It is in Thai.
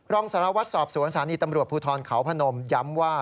รองสารวัตรสอบสวนสถานีตำรวจภูทรเขาพนมย้ำว่า